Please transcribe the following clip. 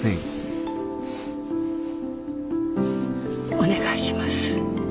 お願いします。